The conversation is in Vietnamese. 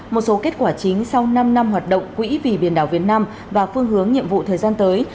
một số kết quả chính sau năm năm hoạt động quỹ vì biển đảo việt nam và phương hướng nhiệm vụ thời gian tới